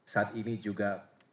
saat ini juga